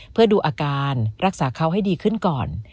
เพื่อดูอาการรักษาเขาให้ดีขึ้นก่อน